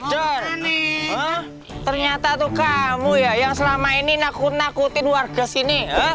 doh ini ternyata tuh kamu ya yang selama ini nakut nakutin warga sini